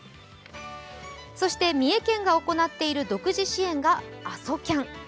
そして三重県が行っている独自支援があそキャン。